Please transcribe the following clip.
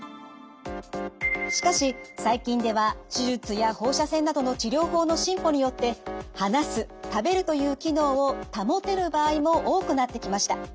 しかし最近では手術や放射線などの治療法の進歩によって話す食べるという機能を保てる場合も多くなってきました。